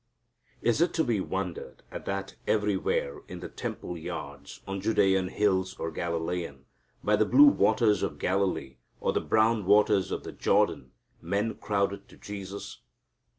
Is it to be wondered at that everywhere, in the temple yards, on Judean hills or Galilean, by the blue waters of Galilee or the brown waters of the Jordan, men crowded to Jesus?